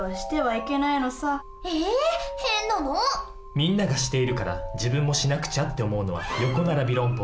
みんながしているから自分もしなくちゃって思うのは「横ならび論法」。